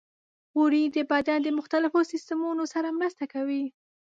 غوړې د بدن د مختلفو سیستمونو سره مرسته کوي.